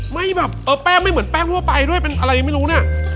ไม่แบบเออแป้งไม่เหมือนแป้งทั่วไปด้วยเป็นอะไรไม่รู้เนี่ย